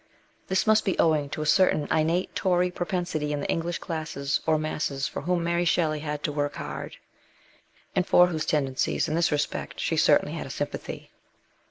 This must be owing to a certain innate Tory propensity in the English classes or masses for whom Mary Shelley had to work hard, and for whose tendencies in this respect she certainly had a sympathy.